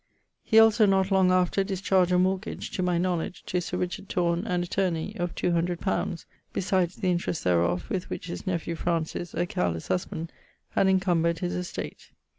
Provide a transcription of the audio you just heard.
He also not long after dischardged a mortgage (to my knowledge[CX.], to Richard Thorne, an attorney) of two hundred pounds, besides the interest thereof, with which his nephew Francis (a careles husband) had incumbred his estate.